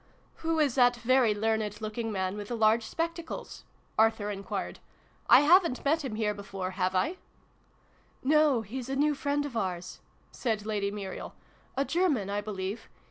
"Who is that very learned looking man with the large spectacles ?" Arthur enquired. " I haven't met him here before, have I ?"" No, he's a new friend of ours," said Lady Muriel: "a German, I believe.